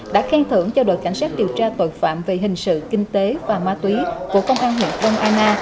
đã khen thưởng cho đội cảnh sát điều tra tội phạm về hình sự kinh tế và ma túy của công an huyện krong anna